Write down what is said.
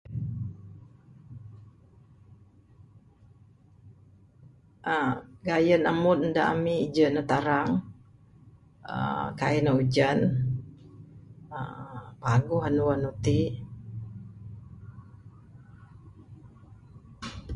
uhh Gayun ambun da ami je ne tarang, uhh kai ne ujan. uhh paguh andu, andu tik.